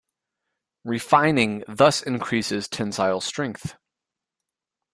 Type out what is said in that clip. Refining thus increases tensile strength.